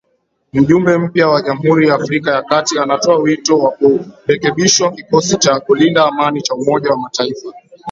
Mjumbe mpya wa Jamhuri ya Afrika ya Kati anatoa wito wa kurekebishwa kikosi cha kulinda amani cha Umoja wa Mataifa